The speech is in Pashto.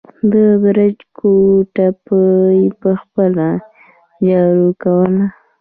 د برج کوټه به يې په خپله جارو کوله.